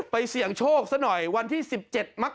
เสี่ยงโชคซะหน่อยวันที่๑๗มักก